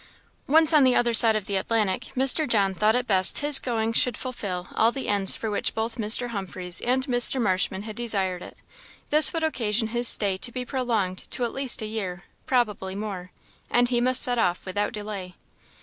Once on the other side of the Atlantic, Mr. John thought it best his going should fulfil all the ends for which both Mr. Humphreys and Mr. Marshman had desired it; this would occasion his stay to be prolonged to at least a year, probably more. And he must set off without delay.